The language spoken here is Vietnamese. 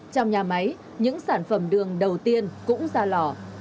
trong nhà máy những sản phẩm đường đầu tiên cũng ra lò